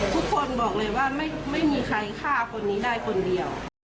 ทุกคนบอกเลยว่าไม่มีใครฆ่าคนนี้ได้คนเดียว